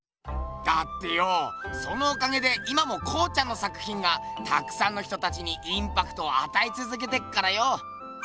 だってよそのおかげで今も康ちゃんの作品がたくさんの人たちにインパクトをあたえつづけてっからよ。